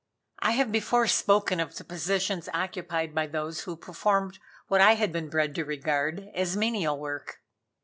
I have before spoken of the positions occupied by those who performed what I had been bred to regard as menial work.